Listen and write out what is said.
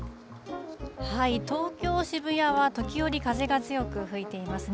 東京・渋谷は時折風が強く吹いていますね。